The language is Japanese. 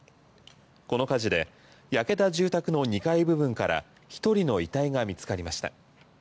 この火事で焼けた住宅の２階部分から１人の遺体が見つかりました。